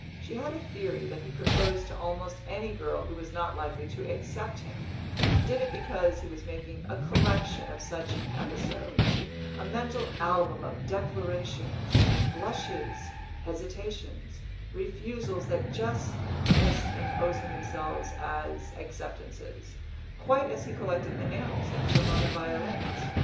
She had a theory that he proposed to almost any girl who was not likely to accept him did it because he was making a collection of such episodes a mental album of declarations, blushes, hesitations, refusals that just missed imposing themselves as acceptances, quite as he collected enamels and Cremona violins.